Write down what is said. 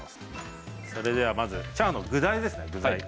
それではまずチャーハンの具材ですね。